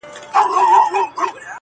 • خو لستوڼي مو تل ډک وي له مارانو -